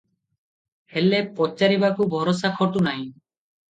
ହେଲେ, ପଚାରିବାକୁ ଭରସା ଖଟୁ ନାହିଁ ।